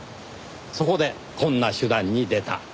そこでこんな手段に出た。